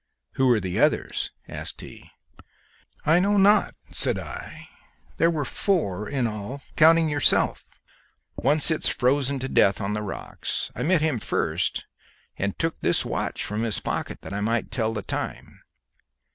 "Who are the others?" asked he. "I know not," said I. "There were four in all, counting yourself; one sits frozen to death on the rocks. I met him first, and took this watch from his pocket that I might tell the time."